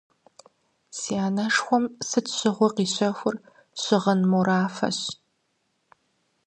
Си анэшхуэм сыт щыгъуи къищэхур щыгъын морафэщ.